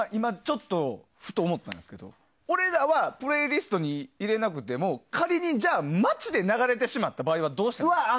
今、ふと思ったんですけど俺らはプレイリストに入れなくても仮にじゃあ街で流れてしまった場合はどうしたらいいですか？